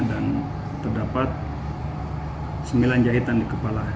dan terdapat sembilan jahitan di kepala